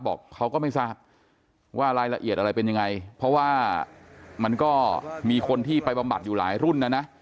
บอกเขาก็ไม่ทราบว่ารายละเอียดอะไรเป็นยังไงเพราะว่ามันก็มีคนที่ไปบำบัดอยู่หลายรุ่นนะนะ